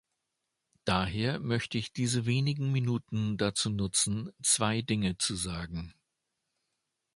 Daher möchte ich diese wenigen Minuten dazu nutzen, zwei Dinge zu sagen.